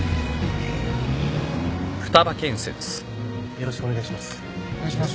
よろしくお願いします。